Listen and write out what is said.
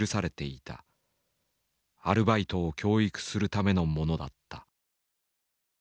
アルバイトを教育するためのものだった。